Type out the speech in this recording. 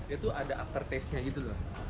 dia tuh ada after taste nya gitu loh